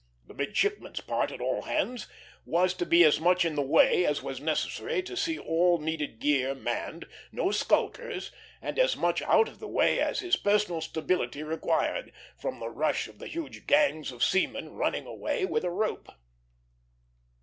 The midshipman's part at "all hands" was to be as much in the way as was necessary to see all needed gear manned, no skulkers, and as much out of the way as his personal stability required, from the rush of the huge gangs of seamen "running away" with a rope.